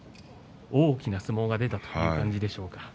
大きな相撲が出た感じでしょうか。